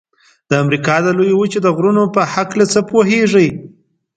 د امریکا د لویې وچې د غرونو په هکله څه پوهیږئ؟